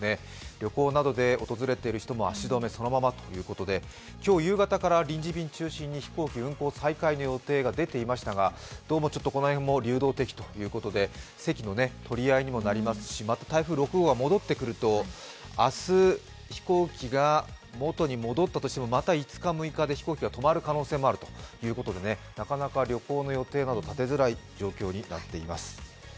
旅行などで訪れている人も足止め、そのままということで、今日夕方から臨時便を中心に飛行機、再開の話も出ていましたがどうもこの辺も流動的ということで、席の取り合いにもなりますしまた台風６号が戻ってくると明日、飛行機が元に戻ったとしてもまた５日、６日で飛行機が止まる可能性もあるということでなかなか旅行の予定など立てづらい状況になっています。